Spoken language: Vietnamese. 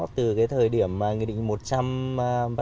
từ cái thời điểm nghị định một trăm linh bắt đầu có hiệu lực